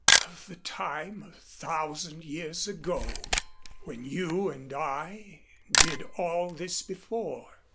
"Of the time a thousand years ago when you and I did all this before."